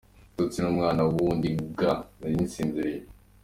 Ibitotsi ni umwana w’undi ga ! Nari nsinziriye.